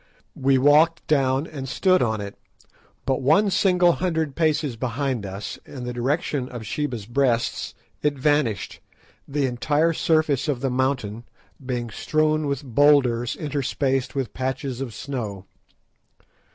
We walked down and stood on it, but one single hundred paces behind us, in the direction of Sheba's Breasts, it vanished, the entire surface of the mountain being strewn with boulders interspersed with patches of snow.